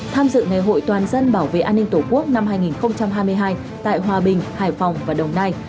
tham dự ngày hội toàn dân bảo vệ an ninh tổ quốc năm hai nghìn hai mươi hai tại hòa bình hải phòng và đồng nai